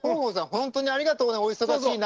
本当にありがとうねお忙しい中。